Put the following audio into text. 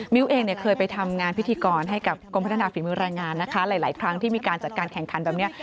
เองเนี่ยเคยไปทำงานพิธีกรให้กับกรมพัฒนาฝีมือรายงานนะคะหลายครั้งที่มีการจัดการแข่งขันแบบนี้